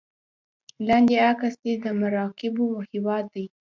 لاندې عکس کې د مراکو هېواد دی